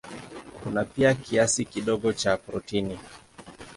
Kuna pia kiasi kidogo cha protini.